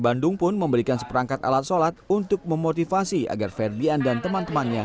bandung pun memberikan seperangkat alat sholat untuk memotivasi agar ferdian dan teman temannya